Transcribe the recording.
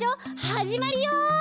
はじまるよ！